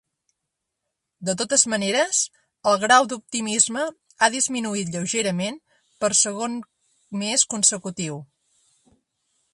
De totes maneres, el grau d’optimisme ha disminuït lleugerament per segon mes consecutiu.